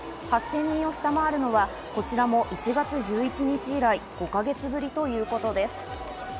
８０００人を下回るのはこちらも１月１１日以来、５か月ぶりということです。